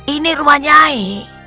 ini rumah nyai